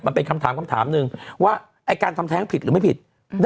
มันเป็นคำถามคำถามหนึ่งว่าไอ้การทำแท้งผิดหรือไม่ผิด